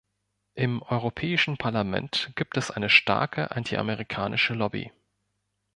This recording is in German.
Im Europäischen Parlament gibt es eine starke antiamerikanische Lobby.